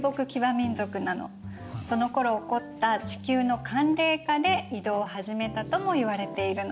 そのころ起こった地球の寒冷化で移動を始めたともいわれているの。